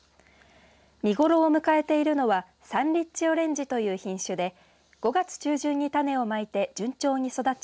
見頃を迎えているのはサンリッチオレンジという品種で５月中旬に種をまいて順調に育ち